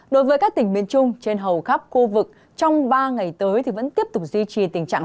đối với các tỉnh miền trung trên hầu khắp khu vực trong ba ngày tới thì vẫn tiếp tục duy trì tình trạng